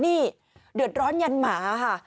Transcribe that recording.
นี่เดือดร้อนยันหมาค่ะ